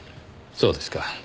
そうですか。